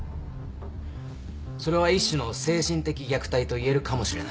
それは一種の精神的虐待といえるかもしれない。